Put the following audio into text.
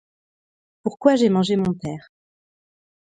Pourquoi j'ai mangé mon père -